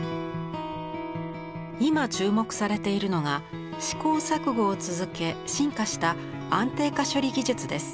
今注目されているのが試行錯誤を続け進化した安定化処理技術です。